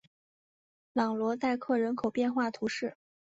朗罗代克人口变化图示